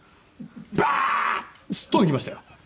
バーッてすっ飛んできましたよ。